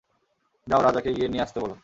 যাও, রাজাকে গিয়ে নিয়ে আসতে বলো।